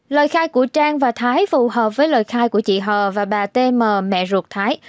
lời khai của trang và thái phù hợp với lời khai của chị hờ và bà tm mẹ ruột thái